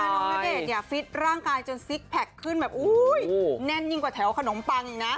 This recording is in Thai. ณเดชน์เนี่ยฟิตร่างกายจนซิกแพคขึ้นแบบแน่นยิ่งกว่าแถวขนมปังอีกนะ